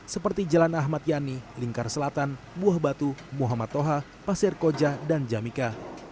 seperti jalan ahmad yani lingkar selatan buah batu muhammad toha pasir koja dan jamika